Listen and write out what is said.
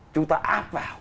chúng ta áp vào